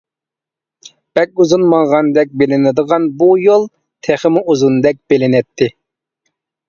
بەك ئۇزۇن ماڭغاندەك بىلىنىدىغان بۇ يول تېخىمۇ ئۇزۇندەك بىلىنەتتى.